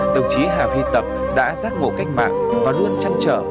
đồng chí hà huy tập đã giác ngộ cách mạng và luôn chăn trở